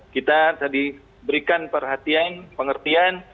kita tadi berikan perhatian pengertian